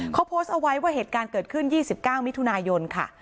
เขาโพสต์เอาไว้ว่าเหตุการณ์เกิดขึ้น๒๙มิถุนายนค่ะ